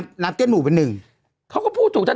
โทษทีน้องโทษทีน้อง